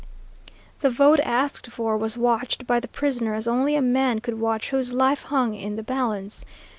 The vote asked for was watched by the prisoner as only a man could watch whose life hung in the balance.